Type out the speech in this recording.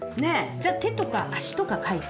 じゃ手とか足とか描いて。